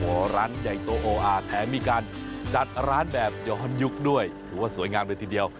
โอ้โหร้านใหญ่โตโออาร์แถมมีการจัดร้านแบบย้อนยุคด้วยถือว่าสวยงามเลยทีเดียว